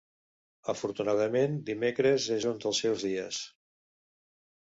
Afortunadament dimecres és un dels seus dies.